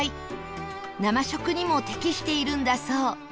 生食にも適しているんだそう